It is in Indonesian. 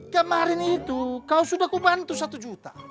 kemarin itu kau sudah kubantu satu juta